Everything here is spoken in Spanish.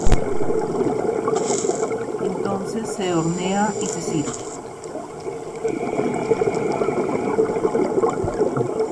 Entonces se hornea y se sirve.